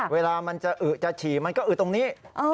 เวลามันจะอึจะฉี่มันก็อึตรงนี้